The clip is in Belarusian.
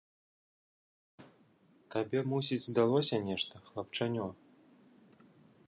Табе, мусіць, здалося нешта, хлапчанё!